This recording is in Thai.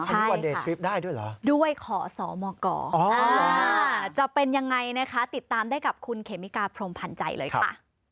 ใช่ค่ะด้วยขอสมกรจะเป็นยังไงนะคะติดตามได้กับคุณเขมิกาพรมพันธ์ใจเลยค่ะ